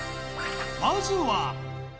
まずは。